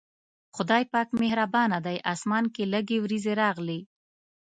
خدای پاک مهربانه دی، اسمان کې لږې وريځې راغلې.